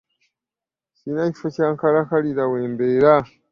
Sirina kifo kyankalakalira we mbeera.